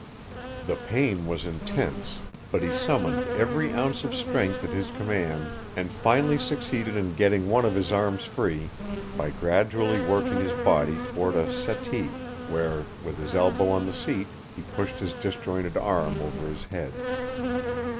The pain was intense, but he summoned every ounce of strength at his command and finally succeeded in getting one of his arms free by gradually working his body toward a settee, where, with his elbow on the seat, he pushed his disjointed arm over his head.